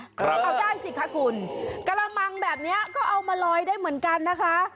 เอาได้สิคะคุณกระมังแบบนี้ก็เอามาลอยได้เหมือนกันนะคะ